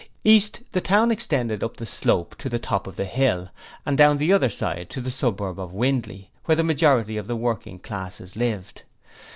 East, the town extended up the slope to the top of the hill and down the other side to the suburb of Windley, where the majority of the working classes lived.